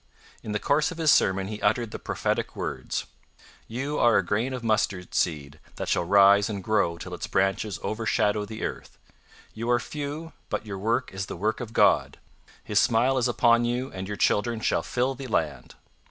In the course of his sermon he uttered the prophetic words: 'You are a grain of mustard seed that shall rise and grow till its branches overshadow the earth. You are few, but your work is the work of God. His smile is upon you and your children shall fill the land.'